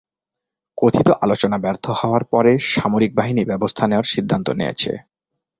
কথিত আলোচনা ব্যর্থ হওয়ার পরে, সামরিক বাহিনী ব্যবস্থা নেওয়ার সিদ্ধান্ত নিয়েছে।